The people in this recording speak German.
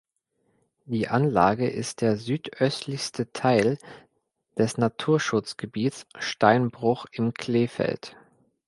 Die Anlage ist der südöstlichste Teil des Naturschutzgebiets Steinbruch im Kleefeld.